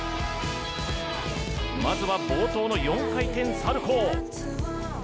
まずは冒頭の４回転サルコウ。